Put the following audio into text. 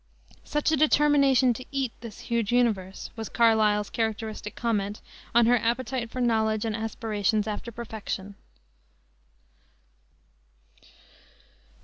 "Such a determination to eat this huge universe!" was Carlyle's characteristic comment on her appetite for knowledge and aspirations after perfection.